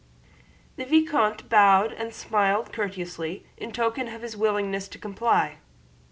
The vicomte bowed and smiled courteously in token of his willingness to comply.